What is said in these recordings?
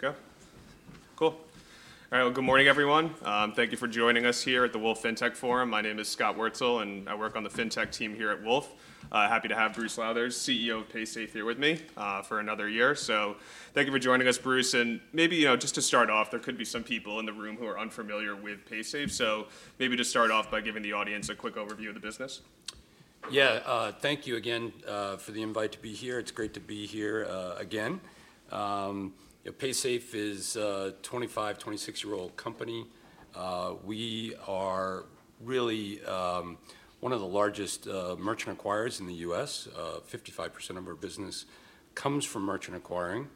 Good to go? Cool. All right, well, good morning, everyone. Thank you for joining us here at the Wolfe Fintech Forum. My name is Scott Wurtzel, I work on the fintech team here at Wolfe. Happy to have Bruce Lowthers, CEO of Paysafe, here with me, for another year. Thank you for joining us, Bruce. Maybe, you know, just to start off, there could be some people in the room who are unfamiliar with Paysafe, maybe just start off by giving the audience a quick overview of the business. Yeah, thank you again, for the invite to be here. It's great to be here, again. Paysafe is a 25-, 26-year-old company. We are really, one of the largest, merchant acquirers in the U.S. 55% of our business comes from merchant acquiring.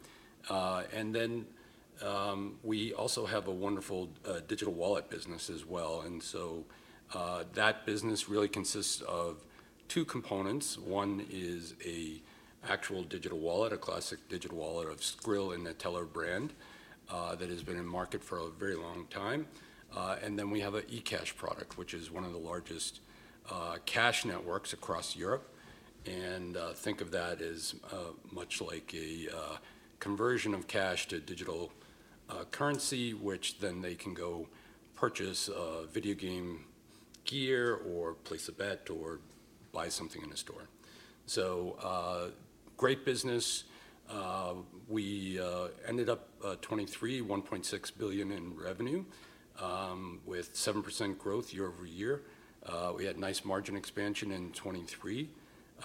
Then, we also have a wonderful, digital wallet business as well, that business really consists of two components. One is a actual digital wallet, a classic digital wallet of Skrill and Neteller brand, that has been in the market for a very long time. Then we have a eCash product, which is one of the largest, cash networks across Europe. Think of that as much like a conversion of cash to digital currency, which then they can go purchase video game gear, or place a bet, or buy something in a store. Great business, we ended up 2023 $1.6 billion in revenue with 7% growth year-over-year. We had nice margin expansion in 2023.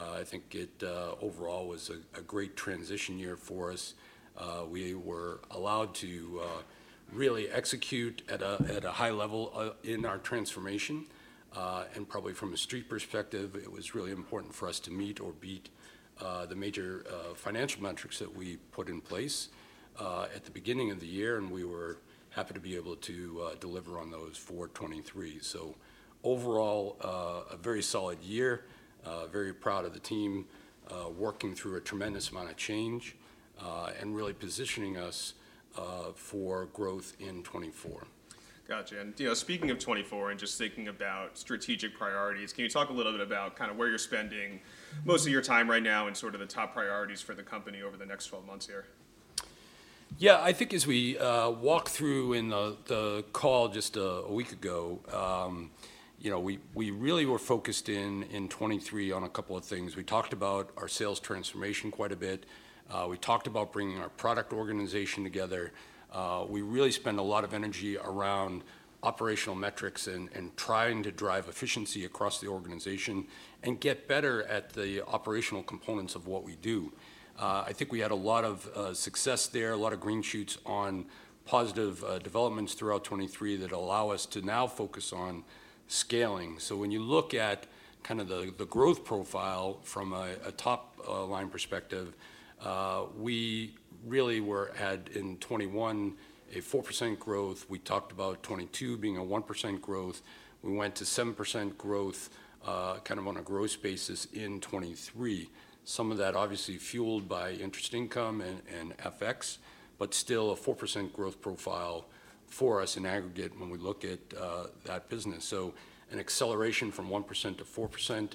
I think it overall was a great transition year for us. We were allowed to really execute at a high level in our transformation. Probably from a street perspective, it was really important for us to meet or beat the major financial metrics that we put in place at the beginning of the year, we were happy to be able to deliver on those for 2023. Overall, a very solid year. Very proud of the team working through a tremendous amount of change and really positioning us for growth in 2024. Gotcha. You know, speaking of 24 and just thinking about strategic priorities, can you talk a little bit about kind of where you're spending most of your time right now and sort of the top priorities for the company over the next 12 months here? Yeah, I think as we walked through in the call just a week ago, you know, we really were focused in 2023 on a couple of things. We talked about our sales transformation quite a bit. We talked about bringing our product organization together. We really spent a lot of energy around operational metrics Trying to drive efficiency across the organization and get better at the operational components of what we do. I think we had a lot of success there, a lot of green shoots on positive developments throughout 2023 that allow us to now focus on scaling. When you look at kind of the growth profile from a top line perspective, we really were at, in 2021, a 4% growth. We talked about 2022 being a 1% growth. We went to 7% growth, kind of on a gross basis in 2023. Some of that obviously fueled by interest income and FX, still a 4% growth profile for us in aggregate when we look at that business. An acceleration from 1% to 4%,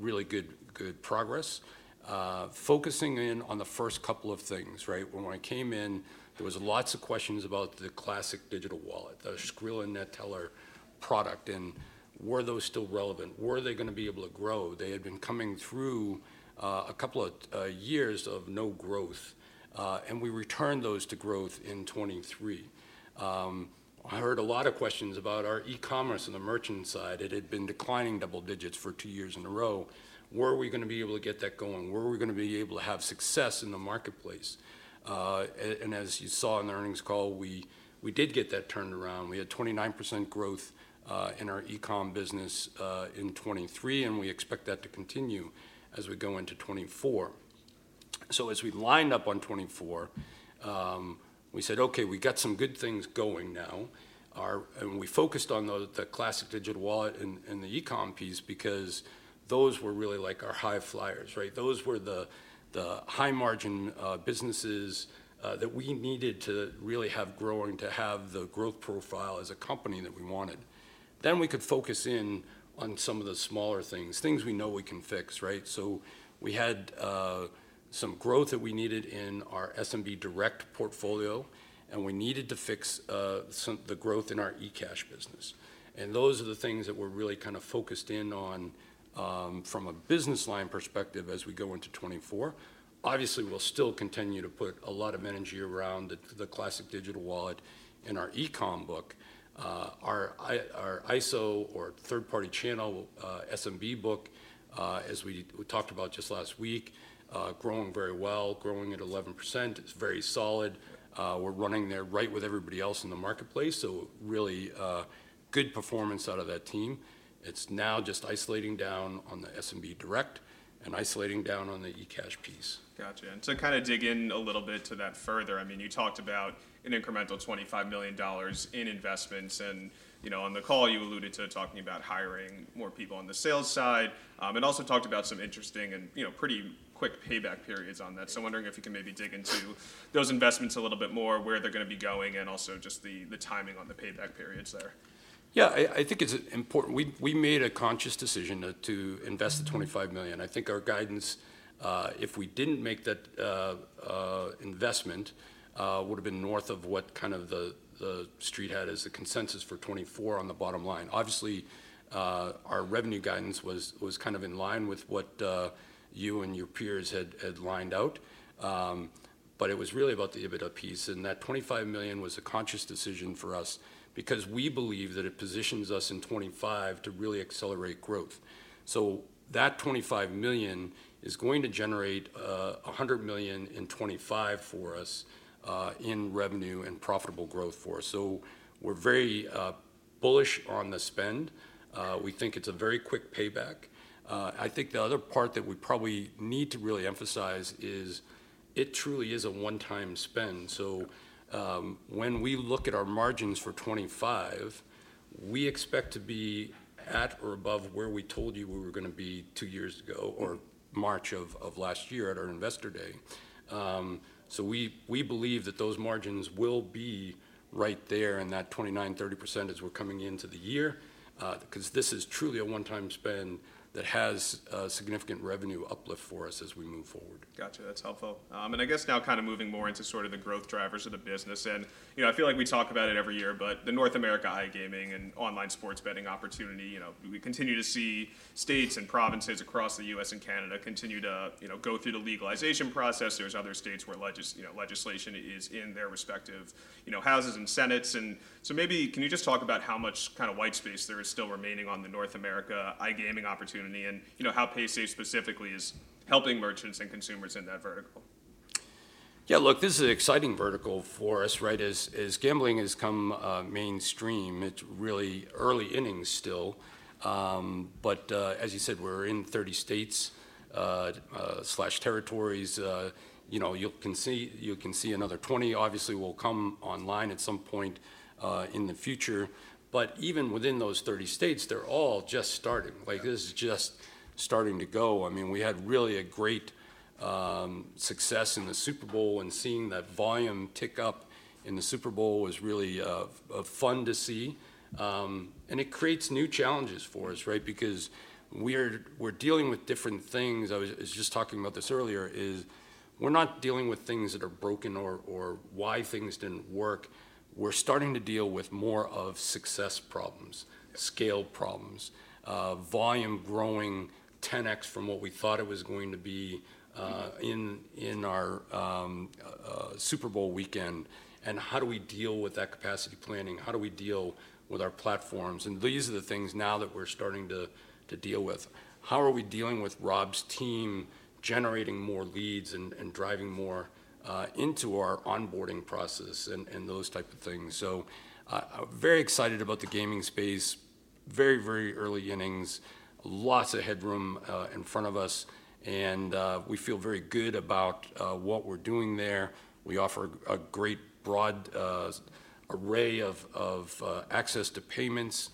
really good, good progress. Focusing in on the first couple of things, right? When I came in, there was lots of questions about the classic digital wallet, the Skrill and Neteller product, were those still relevant? Were they going to be able to grow? They had been coming through a couple of years of no growth, returned those to growth in 2023. I heard a lot of questions about our e-commerce The merchant side. It had been declining double digits for two years in a row. Were we going to be able to get that going? Were we going to be able to have success in the marketplace? As you saw in the earnings call, we did get that turned around. We had 29% growth in our e-com business in 2023, we expect that to continue as we go into 2024. As we lined up on 2024, we said: Okay, we got some good things going nowWe focused on the classic digital wallet The e-com piece because those were really, like, our high flyers, right? Those were the high-margin businesses that we needed to really have growing to have the growth profile as a company that we wanted. Then we could focus in on some of the smaller things, things we know we can fix, right? We had some growth that we needed in our SMB direct portfolio, we needed to fix the growth in our eCash business. those are the things that we're really kind of focused in on from a business line perspective as we go into 2024. Obviously, we'll still continue to put a lot of energy around the classic digital wallet in our e-com book. Our ISO or third-party channel SMB book, as we talked about just last week, growing very well, growing at 11%. It's very solid. We're running there right with everybody else in the marketplace, really good performance out of that team. It's now just isolating down on the SMB direct and isolating down on the eCash piece. Gotcha. To kind of dig in a little bit to that further, I mean, you talked about an incremental $25 million in investments, and, you know, on the call, you alluded to talking about hiring more people on the sales side, also talked about some interesting and, you know, pretty quick payback periods on that. I'm wondering if you can maybe dig into those investments a little bit more, where they're going to be going, also just the timing on the payback periods there. Yeah, I, I think it's important. We, we made a conscious decision to, to invest the $25 million. I think our guidance, if we didn't make that investment, would've been north of what kind of the, the street had as the consensus for 2024 on the bottom line. Obviously, our revenue guidance was, was kind of in line with what, you and your peers had, had lined out. It was really about the EBITDA piece, That $25 million was a conscious decision for us because we believe that it positions us in 2025 to really accelerate growth. That $25 million is going to generate a $100 million in 2025 for us, in revenue and profitable growth for us. We're very bullish on the spend. We think it's a very quick payback. I think the other part that we probably need to really emphasize is it truly is a one-time spend. So, when we look at our margins for 2025, we expect to be at or above where we told you we were gonna be two years ago or March of last year at our Investor day. We believe that those margins will be right there in that 29%-30% as we're coming into the year, 'cause this is truly a one-time spend that has a significant revenue uplift for us as we move forward. Gotcha. That's helpfulI guess now kind of moving more into sort of the growth drivers of the business, and, you know, I feel like we talk about it every year, the North America iGaming and online sports betting opportunity, you know, we continue to see states and provinces across the U.S. and Canada continue to, you know, go through the legalization process. There's other states where legislation is in their respective, you know, houses and senatesMaybe can you just talk about how much kind of white space there is still remaining on the North America iGaming opportunity? And, you know, how Paysafe specifically is helping merchants and consumers in that vertical. Yeah, look, this is an exciting vertical for us, right? As gambling has come mainstream, it's really early innings still. As you said, we're in 30 states slash territories. You know, you can see another 20 obviously will come online at some point in the future. Even within those 30 states, they're all just starting. Yeah. Like, this is just starting to go. I mean, we had really a great success in the Super Bowl, and seeing that volume tick up in the Super Bowl was really fun to seeIt creates new challenges for us, right? Because we're dealing with different things. I was just talking about this earlier, is we're not dealing with things that are broken or why things didn't work. We're starting to deal with more of success problems, scale problems, volume growing 10x from what we thought it was going to be, in our Super Bowl weekend. How do we deal with that capacity planning? How do we deal with our platforms? These are the things now that we're starting to deal with. How are we dealing with Rob's team, generating more leads and driving more into our onboarding process Those type of things? So, very excited about the gaming space. Very, very early innings. Lots of headroom in front of us, we feel very good about what we're doing there. We offer a great broad array of access to payments.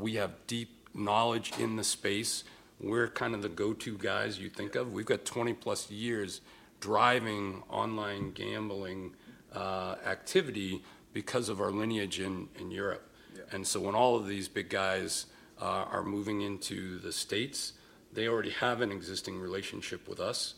We have deep knowledge in the space. We're kind of the go-to guys you think of. Yeah. We've got 20+ years driving online gambling activity because of our lineage in Europe. Yeah. When all of these big guys are moving into the States, they already have an existing relationship with us,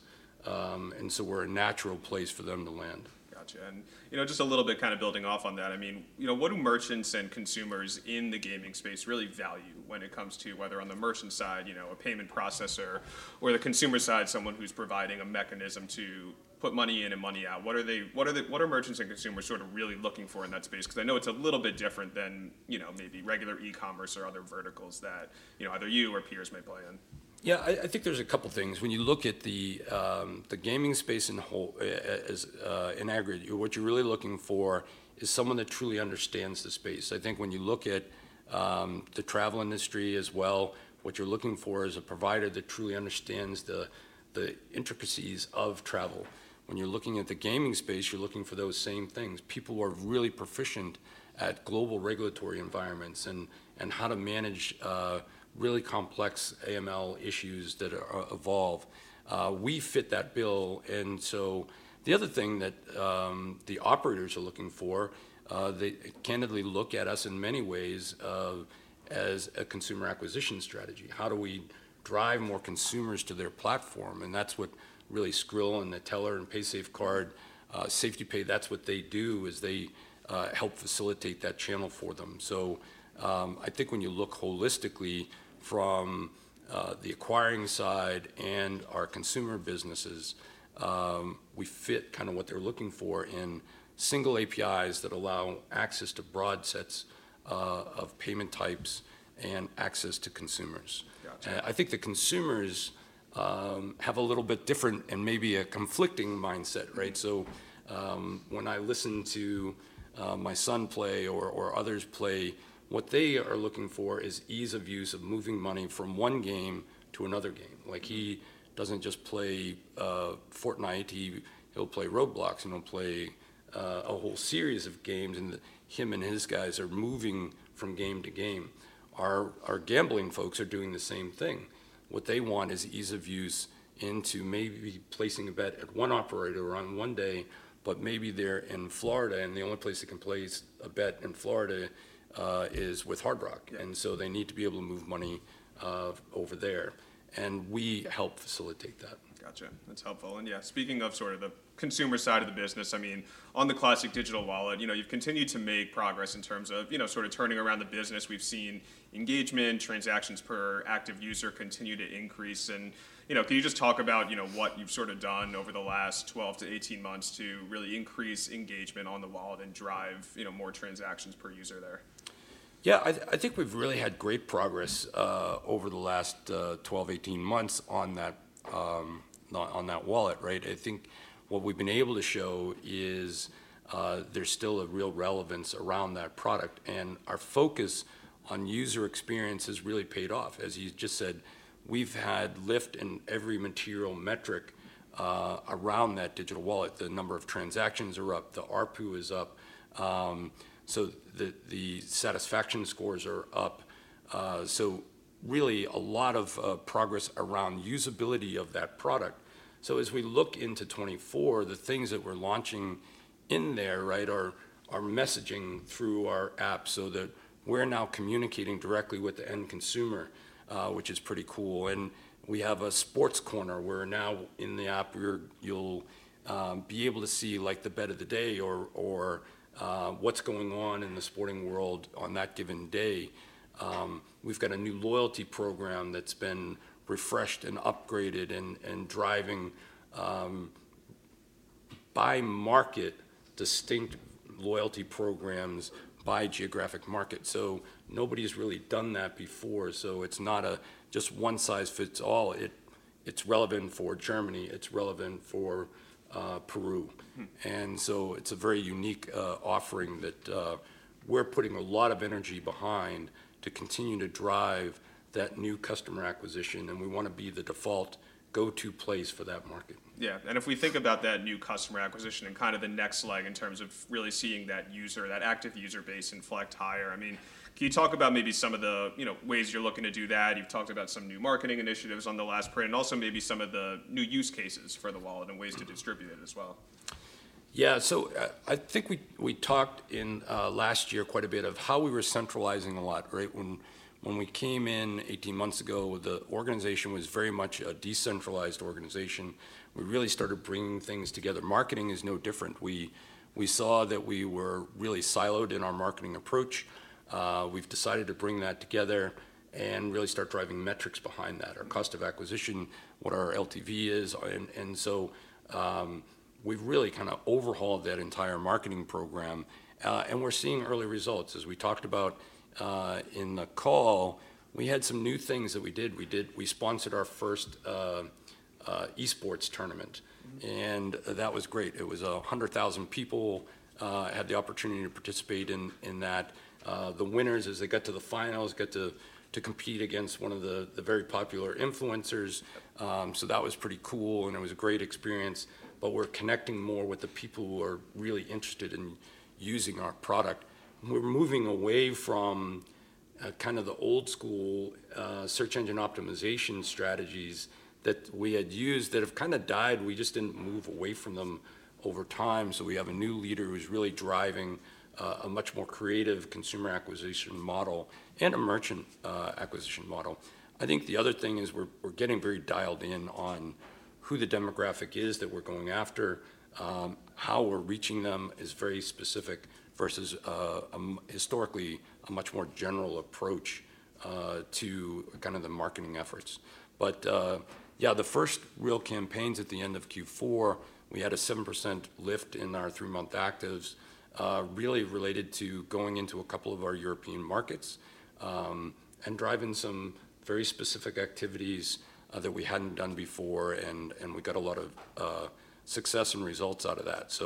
we're a natural place for them to land. Gotcha. And, you know, just a little bit kind of building off on that, I mean, you know, what do merchants and consumers in the gaming space really value when it comes to whether on the merchant side, you know, a payment processor, or the consumer side, someone who's providing a mechanism to put money in and money out? What are merchants and consumers sort of really looking for in that space? 'Cause I know it's a little bit different than, you know, maybe regular e-commerce or other verticals that, you know, either you or peers may play in. Yeah, I, I think there's a couple things. When you look at the, the gaming space in whole, as in aggregate, what you're really looking for is someone that truly understands the space. I think when you look at the travel industry as well, what you're looking for is a provider that truly understands the, the intricacies of travel. When you're looking at the gaming space, you're looking for those same things, people who are really proficient at global regulatory environments and, and how to manage really complex AML issues that are evolve. We fit that bill, the other thing that the operators are looking for, they candidly look at us in many ways as a consumer acquisition strategy. How do we drive more consumers to their platform? That's what really Skrill and Neteller and paysafecard, SafetyPay, that's what they do, is they, help facilitate that channel for them. So, I think when you look holistically from, the acquiring side and our consumer businesses, we fit kind of what they're looking for in single APIs that allow access to broad sets, of payment types and access to consumers. Gotcha. I think the consumers have a little bit different and maybe a conflicting mindset, right? So, when I listen to my son play or others play, what they are looking for is ease of use of moving money from one game to another game. Like, he doesn't just play Fortnite. He'll play Roblox, and he'll play a whole series of games, and him and his guys are moving from game to game. Our gambling folks are doing the same thing. What they want is ease of use into maybe placing a bet at one operator on one day, maybe they're in Florida, The only place they can place a bet in Florida is with Hard Rock, they need to be able to move money over there, we help facilitate that. Gotcha. That's helpful. Yeah, speaking of sort of the consumer side of the business, I mean, on the classic digital wallet, you know, you've continued to make progress in terms of, you know, sort of turning around the business. We've seen engagement, transactions per active user continue to increase. And, you know, can you just talk about, you know, what you've sort of done over the last 12-18 months to really increase engagement on the wallet and drive, you know, more transactions per user there? Yeah, I, I think we've really had great progress over the last 12, 18 months on that, on that wallet, right? I think what we've been able to show is, there's still a real relevance around that product, and our focus on user experience has really paid off. As you just said, we've had lift in every material metric around that digital wallet. The number of transactions are up, the ARPU is up, the satisfaction scores are up. Really a lot of progress around usability of that product. As we look into 2024, the things that we're launching in there, right, are messaging through our app that we're now communicating directly with the end consumer, which is pretty cool. We have a sports corner, where now in the app, you'll be able to see, like, the bet of the day or what's going on in the sporting world on that given day. We've got a new loyalty program that's been refreshed and upgraded and driving by market, distinct loyalty programs by geographic market. Nobody's really done that before. It's not a just one-size-fits-all. It's relevant for Germany, it's relevant for Peru. It's a very unique offering that we're putting a lot of energy behind to continue to drive that new customer acquisition, and we want to be the default go-to place for that market. yeahIf we think about that new customer acquisition and kind of the next leg in terms of really seeing that user, that active user base inflect higher, I mean, can you talk about maybe some of the, you know, ways you're looking to do that? You've talked about some new marketing initiatives on the last print, and also maybe some of the new use cases for the wallet and ways to distribute it as well. Yeah. So, I think we talked in last year quite a bit of how we were centralizing a lot, right? When we came in 18 months ago, the organization was very much a decentralized organization. We really started bringing things together. Marketing is no different. We saw that we were really siloed in our marketing approach. We've decided to bring that together and really start driving metrics behind that, our cost of acquisition, what our LTV is. We've really kind of overhauled that entire marketing program, and we're seeing early results. As we talked about, in the call, we had some new things that we did. We sponsored our first e-sports tournament, That was great. It was 100,000 people had the opportunity to participate in that. The winners, as they got to the finals, got to compete against one of the very popular influencers. That was pretty cool, and it was a great experienceWe're connecting more with the people who are really interested in using our product. We're moving away from kind of the old-school search engine optimization strategies that we had used that have kind of died. We just didn't move away from them over time. We have a new leader who's really driving a much more creative consumer acquisition model and a merchant acquisition model. I think the other thing is we're getting very dialed in on who the demographic is that we're going after. How we're reaching them is very specific versus historically, a much more general approach to kind of the marketing efforts. Yeah, the first real campaigns at the end of Q4, we had a 7% lift in our three-month actives, really related to going into a couple of our European markets, and driving some very specific activities that we hadn't done before, we got a lot of success and results out of that.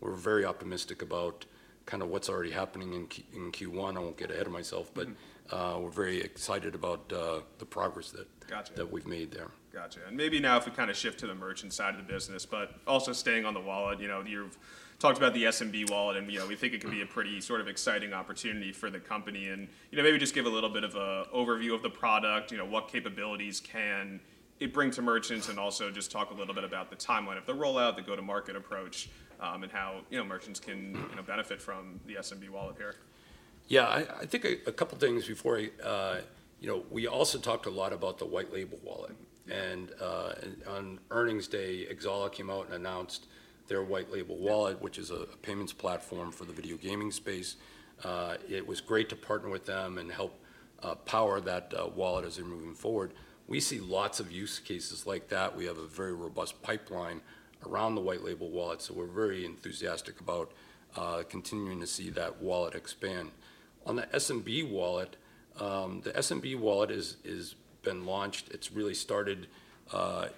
We're very optimistic about kind of what's already happening in Q1. I won't get ahead of myself, we're very excited about the progress that- Gotcha. That we've made there. gotchamaybe now if we kind of shift to the merchant side of the business, also staying on the wallet, you know, you've talked about the SMB wallet, and, you know, we think it could be a pretty sort of exciting opportunity for the company. And, you know, maybe just give a little bit of an overview of the product, you know, what capabilities can it bring to merchants? Also just talk a little bit about the timeline of the rollout, the go-to-market approach, and how, you know, merchants can, you know, benefit from the SMB wallet here. Yeah, I think a couple things before I, You know, we also talked a lot about the white label wallet. On earnings day, Xsolla came out and announced their white label wallet- Yeah. Which is a payments platform for the video gaming space. It was great to partner with them and help power that wallet as they're moving forward. We see lots of use cases like that. We have a very robust pipeline around the white label wallet, we're very enthusiastic about continuing to see that wallet expand. On the SMB wallet, the SMB wallet has been launched. It really started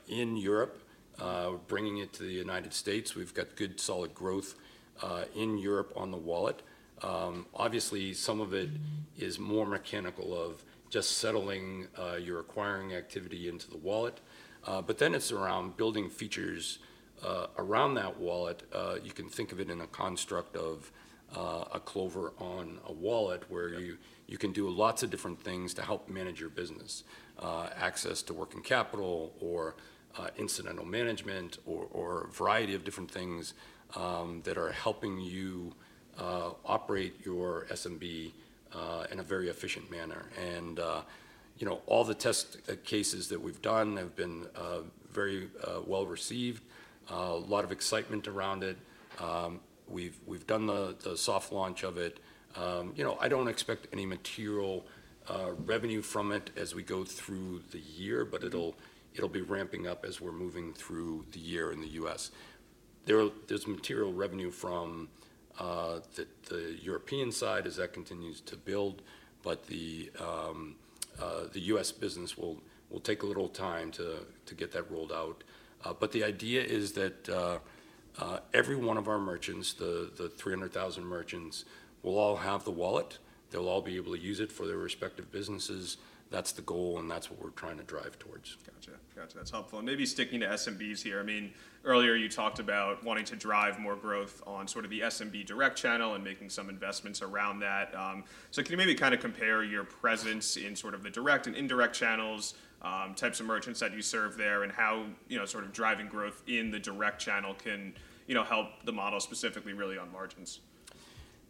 in Europe, bringing it to the United States. We've got good, solid growth in Europe on the wallet. Obviously, some of it is more mechanical of just settling your acquiring activity into the wallet. Then it's around building features around that wallet. You can think of it in a construct of a Clover on a wallet- Yeah. Where you can do lots of different things to help manage your business. Access to working capital, or incidental management, or a variety of different things that are helping you operate your SMB in a very efficient manner. You know, all the test cases that we've done have been very well-received. A lot of excitement around it. We've done the soft launch of it. You know, I don't expect any material revenue from it as we go through the year- It'll be ramping up as we're moving through the year in the U.S. There's material revenue from the European side as that continues to build, the U.S. business will take a little time to get that rolled out. The idea is that every one of our merchants, the 300,000 merchants, will all have the wallet. They'll all be able to use it for their respective businesses. That's the goal, That's what we're trying to drive towards. Gotcha. Gotcha, that's helpfulmaybe sticking to SMBs here, I mean, earlier, you talked about wanting to drive more growth on sort of the SMB direct channel and making some investments around that. Can you maybe kind of compare your presence in sort of the direct and indirect channels, types of merchants that you serve there, and how, you know, sort of driving growth in the direct channel can, you know, help the model specifically really on margins?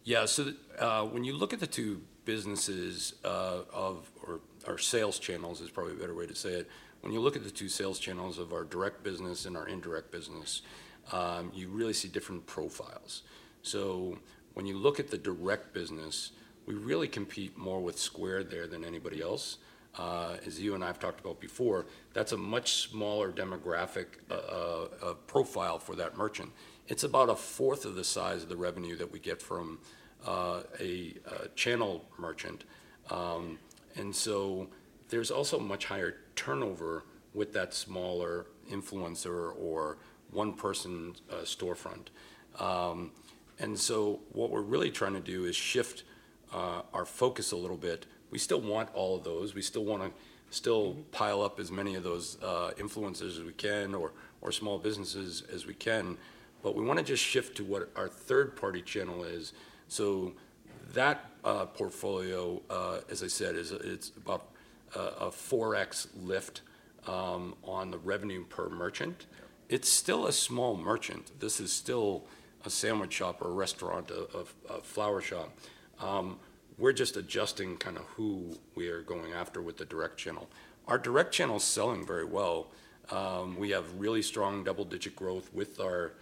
Yeah, so, when you look at the two businesses, or our sales channels is probably a better way to say it. When you look at the two sales channels of our direct business and our indirect business, you really see different profiles. When you look at the direct business, we really compete more with Square there than anybody else. As you and I have talked about before, that's a much smaller demographic profile for that merchant. It's about a fourth of the size of the revenue that we get from a channel merchant. What we're really trying to do is shift our focus a little bit. We still want all of those. We still wanna pile up as many of those influencers as we can, or small businesses as we can, we wanna just shift to what our third-party channel is. That portfolio, as I said, is, it's about a 4x lift on the revenue per merchant. Yeah. It's still a small merchant. This is still a sandwich shop or a restaurant, a flower shop. We're just adjusting kind of who we are going after with the direct channel. Our direct channel's selling very well. We have really strong double-digit growth with our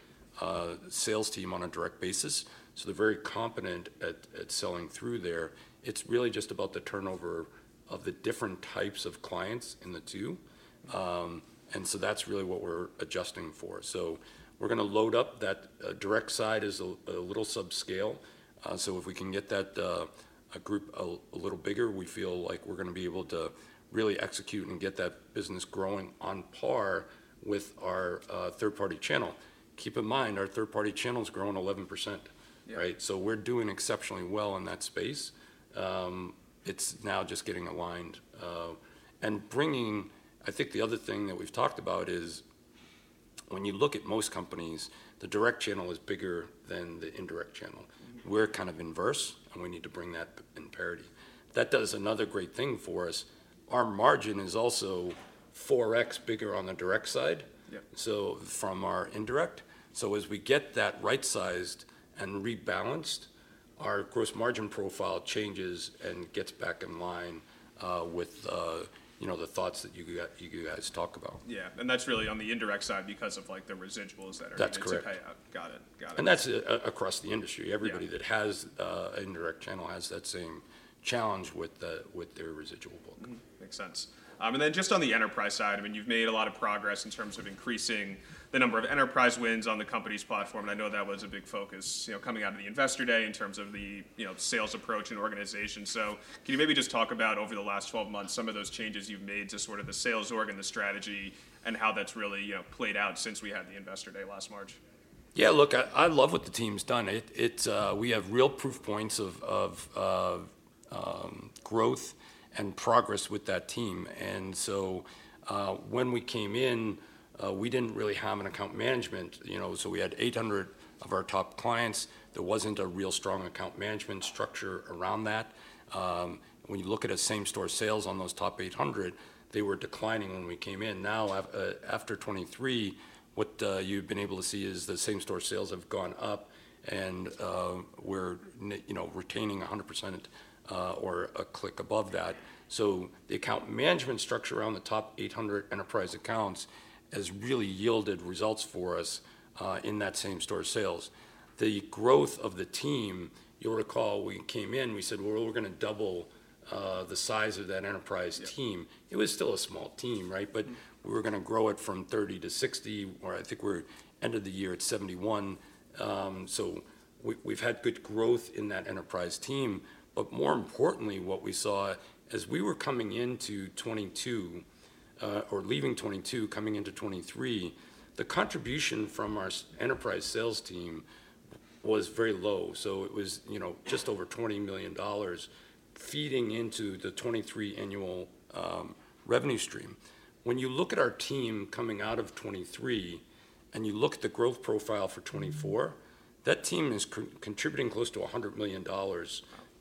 sales team on a direct basis, they're very competent at selling through there. It's really just about the turnover of the different types of clients in the two. That's really what we're adjusting for. We're gonna load up. That direct side is a little subscale, if we can get that group a little bigger, we feel like we're gonna be able to really execute and get that business growing on par with our third-party channel. Keep in mind, our third-party channel's growing 11%. Yeah. Right? We're doing exceptionally well in that space. It's now just getting aligned, and bringing... I think the other thing that we've talked about is, when you look at most companies, the direct channel is bigger than the indirect channel. We're kind of inverse, and we need to bring that in parity. That does another great thing for us. Our margin is also 4x bigger on the direct side- Yep From our indirect. As we get that right-sized and rebalanced, our gross margin profile changes and gets back in line with, you know, the thoughts that you guys talk about. Yeah, That's really on the indirect side because of, like, the residuals that are- That's correct. Got it. Got it. That's across the industry. Yeah. Everybody that has an indirect channel has that same challenge with their residual book. Makes sense. Then just on the enterprise side, I mean, you've made a lot of progress in terms of increasing the number of enterprise wins on the company's platform, and I know that was a big focus, you know, coming out of the Investor Day in terms of the, you know, sales approach and organization. Can you maybe just talk about, over the last 12 months, some of those changes you've made to sort of the sales org The strategy, and how that's really, you know, played out since we had the Investor Day last March? Yeah, look, I love what the team's done. It's, we have real proof points of growth and progress with that team. When we came in, we didn't really have an account management, you know, we had 800 of our top clients. There wasn't a real strong account management structure around that. When you look at a same store sales on those top 800, they were declining when we came in. Now, after 2023, what you've been able to see is the same store sales have gone up, and we're, you know, retaining 100% or a click above that. The account management structure around the top 800 enterprise accounts has really yielded results for us in that same store sales. The growth of the team, you'll recall we came in, we said, "Well, we're gonna double the size of that enterprise team. Yeah. It was still a small team, right? We were gonna grow it from 30 to 60, or I think we're end of the year at 71. We, we've had good growth in that enterprise team, more importantly, what we saw as we were coming into 2022, or leaving 2022, coming into 2023, the contribution from our enterprise sales team was very low. It was, you know, just over $20 million feeding into the 2023 annual revenue stream. When you look at our team coming out of 2023, and you look at the growth profile for 2024- That team is contributing close to $100 million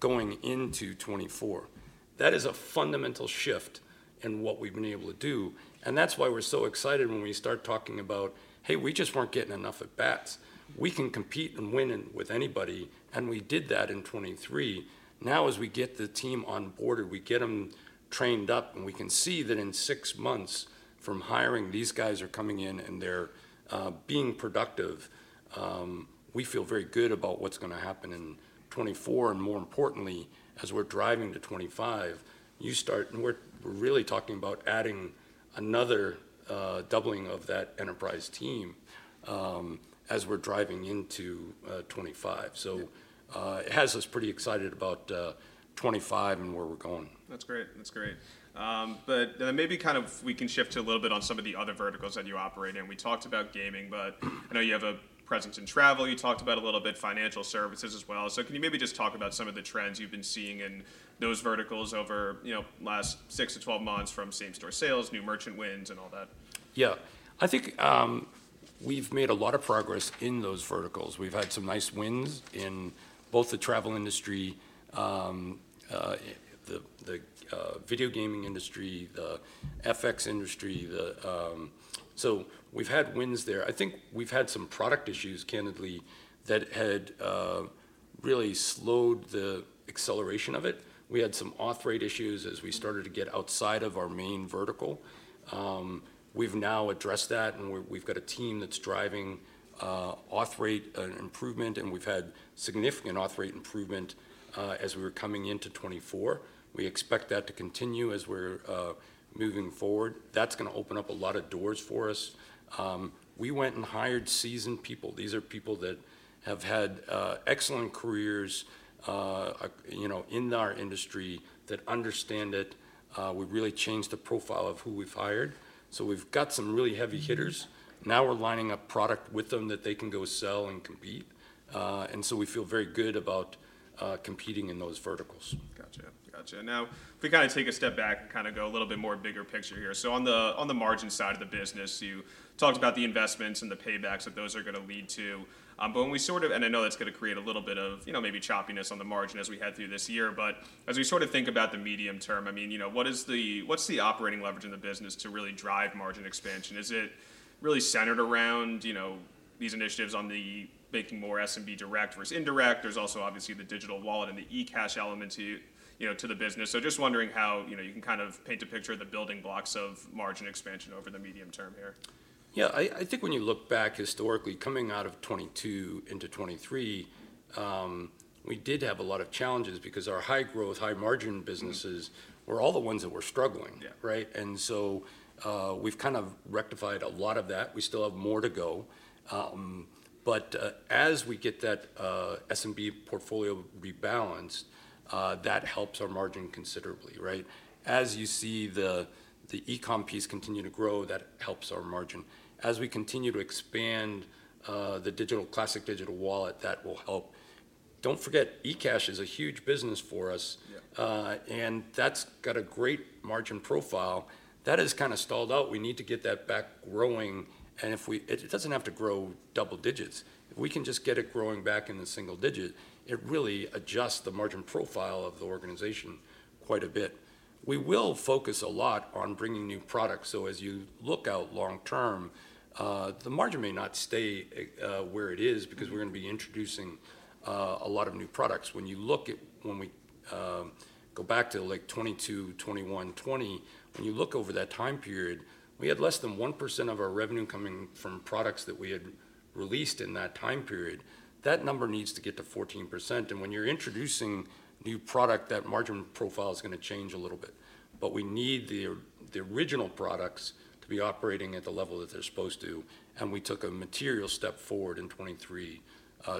going into 2024. That is a fundamental shift in what we've been able to do, That's why we're so excited when we start talking about, "Hey, we just weren't getting enough at-bats." We can compete and win in with anybody, and we did that in 2023. Now, as we get the team on board, or we get them trained up, and we can see that in six months from hiring, these guys are coming in, They're being productive, we feel very good about what's gonna happen in 2024, and more importantly, as we're driving to 2025, and we're really talking about adding another doubling of that enterprise team, as we're driving into 2025. Yeah. It has us pretty excited about 2025 and where we're going. That's great, that's great. Maybe kind of we can shift a little bit on some of the other verticals that you operate in. We talked about gaming, I know you have a presence in travel. You talked about a little bit financial services as well. Can you maybe just talk about some of the trends you've been seeing in those verticals over, you know, last six to 12 months from same-store sales, new merchant wins, and all that? Yeah. I think, we've made a lot of progress in those verticals. We've had some nice wins in both the travel industry, the video gaming industry, the FX industry, the... We've had wins there. I think we've had some product issues, candidly, that had really slowed the acceleration of it. We had some auth rate issues as we started to get outside of our main vertical. We've now addressed that, and we've got a team that's driving auth rate improvement, and we've had significant auth rate improvement as we were coming into 2024. We expect that to continue as we're moving forward. That's gonna open up a lot of doors for us. We went and hired seasoned people. These are people that have had excellent careers, you know, in our industry, that understand it. We've really changed the profile of who we've hired, we've got some really heavy hitters. Now we're lining up product with them that they can go sell and compete, and we feel very good about competing in those verticals. Gotcha. Gotcha. Now, if we kind of take a step back and kind of go a little bit more bigger picture here. On the margin side of the business, you talked about the investments The paybacks that those are gonna lead toWhen we sort of and I know that's gonna create a little bit of, you know, maybe choppiness on the margin as we head through this year. As we sort of think about the medium term, I mean, you know, what's the operating leverage in the business to really drive margin expansion? Is it really centered around, you know, these initiatives on the making more SMB direct versus indirect? There's also obviously the digital wallet The eCash element to, you know, to the business. Just wondering how, you know, you can kind of paint a picture of the building blocks of margin expansion over the medium term here. Yeah, I, I think when you look back historically, coming out of 2022 into 2023, we did have a lot of challenges because our high-growth, high-margin businesses- Mm-hmm Were all the ones that were struggling. Yeah. Right? We've kind of rectified a lot of that. We still have more to go. As we get that S&P portfolio rebalanced, that helps our margin considerably, right? As you see the e-com piece continue to grow, that helps our margin. As we continue to expThe digital classic digital wallet, that will help. Don't forget, e-cash is a huge business for us. Yeah. That's got a great margin profile. That has kinda stalled out. We need to get that back growing, and it doesn't have to grow double digits. If we can just get it growing back into single digit, it really adjusts the margin profile of the organization quite a bit. We will focus a lot on bringing new products, as you look out long term, the margin may not stay where it is because we're gonna be introducing a lot of new products. When we go back to, like, 2022, 2021, 2020, when you look over that time period, we had less than 1% of our revenue coming from products that we had released in that time period. That number needs to get to 14%, and when you're introducing new product, that margin profile is gonna change a little bitWe need the original products to be operating at the level that they're supposed to, and we took a material step forward in 2023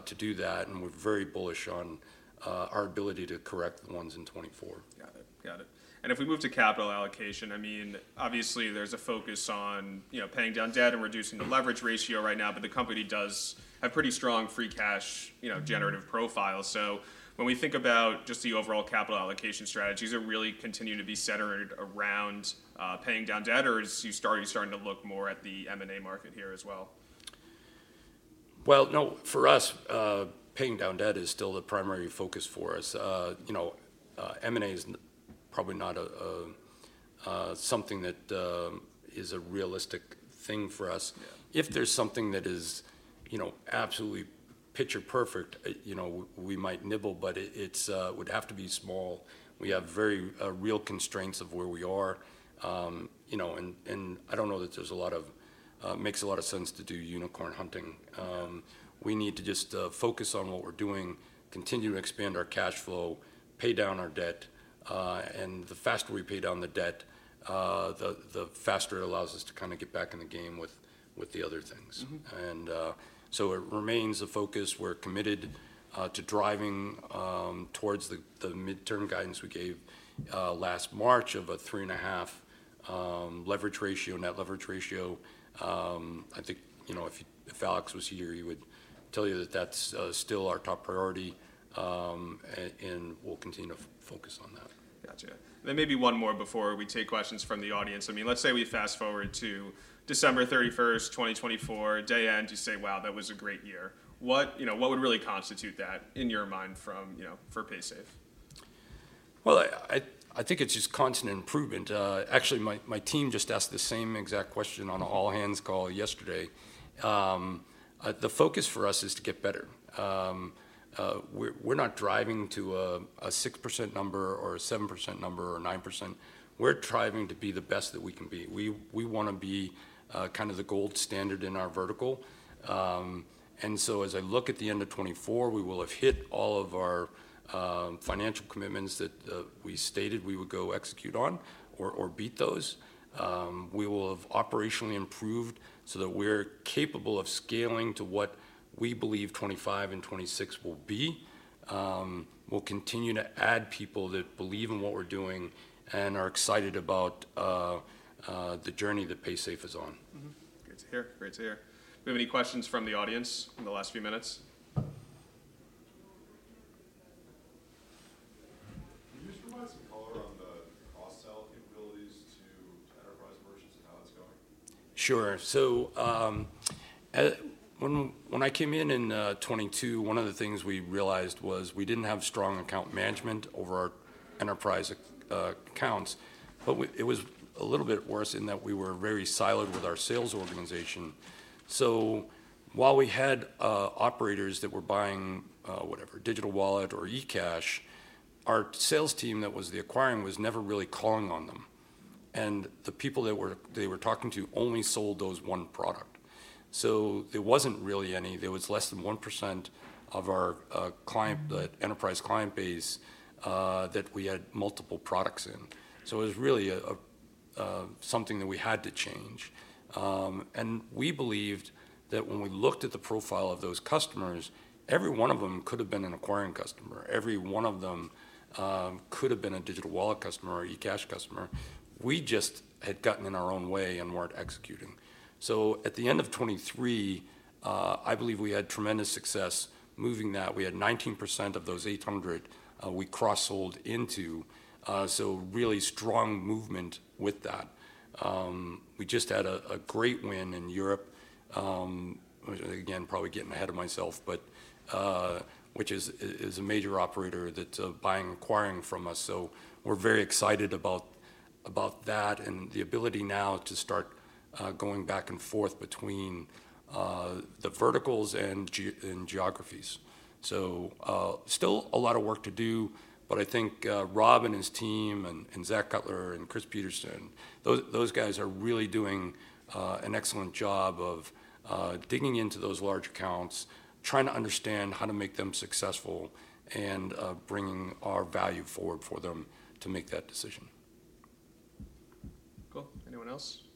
to do that, and we're very bullish on our ability to correct the ones in 2024. Got it, got itIf we move to capital allocation, I mean, obviously there's a focus on, you know, paying down debt and reducing the leverage ratio right now, the company does have pretty strong free cash, you know- Mm-hmm Generative profile. When we think about just the overall capital allocation strategies, does it really continue to be centered around, paying down debt, or are you starting to look more at the M&A market here as well? Well, no, for us, paying down debt is still the primary focus for us. You know, M&A is probably not a something that is a realistic thing for us. Yeah. If there's something that is, you know, absolutely picture perfect, you know, we might nibble, it, it's, would have to be small. We have very, real constraints of where we are. You know, and, and I don't know that there's a lot of, makes a lot of sense to do unicorn hunting. Yeah. We need to just focus on what we're doing, continue to expand our cash flow, pay down our debt, The faster we pay down the debt, the faster it allows us to kind of get back in the game with the other things. Mm-hmm. It remains a focus. We're committed to driving towards the midterm guidance we gave last March of a 3.5 leverage ratio, net leverage ratio. I think, you know, if Alex was here, he would tell you that that's still our top priority, and we'll continue to focus on that. Gotcha. Then maybe one more before we take questions from the audience. I mean, let's say we fast-forward to December 31, 2024, day end, you say, "Wow, that was a great year." What you know, what would really constitute that in your mind from, you know, for Paysafe? Well, I think it's just constant improvement. Actually, my team just asked the same exact question on an all-hands call yesterday. The focus for us is to get better. We're not driving to a 6% number or a 7% number or a 9%. We're striving to be the best that we can be. We wanna be kind of the gold standard in our vertical. As I look at the end of 2024, we will have hit all of our financial commitments that we stated we would go execute on, or beat those. We will have operationally improved that we're capable of scaling to what we believe 2025 and 2026 will be. We'll continue to add people that believe in what we're doing and are excited about the journey that Paysafe is on. Mm-hmm. Great to hear. Great to hear. Do we have any questions from the audience in the last few minutes? Can you just provide some color on the cross-sell capabilities to enterprise merchants and how it's going? Sure. So, when I came in in 2022, one of the things we realized was we didn't have strong account management over our enterprise accounts, it was a little bit worse in that we were very siloed with our sales organization. While we had operators that were buying whatever, Digital Wallet or eCash, our sales team that was the acquiring was never really calling on them, The people that were talking to only sold those one product. There wasn't really any. There was less than 1% of our client, the enterprise client base, that we had multiple products in. It was really a something that we had to change. We believed that when we looked at the profile of those customers, every one of them could have been an acquiring customer. Every one of them could have been a Digital Wallet customer or eCash customer. We just had gotten in our own way and weren't executing. At the end of 2023, I believe we had tremendous success moving that. We had 19% of those 800 we cross-sold into, really strong movement with that. We just had a great win in Europe, again, probably getting ahead of myself, which is a major operator that's buying acquiring from us. We're very excited about that The ability now to start going back and forth between the verticals and geographies. So, still a lot of work to do, I think, Rob and his team and Zak Cutler and Chris Peterson, those guys are really doing an excellent job of digging into those large accounts, trying to understand how to make them successful, and bringing our value forward for them to make that decision. Cool. Anyone else?